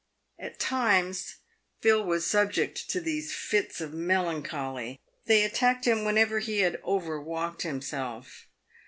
At times Phil was subject to these fits of melancholy. They at tacked him whenever he had overwalked himself.